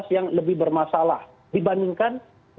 yang lebih bermasalah dibandingkan